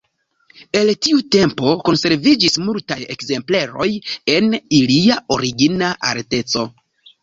El tiu tempo konserviĝis multaj ekzempleroj en ilia origina alteco.